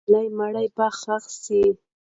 د ملالۍ مړی به ښخ سي.